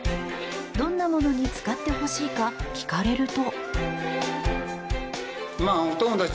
どんなものに使ってほしいか聞かれると。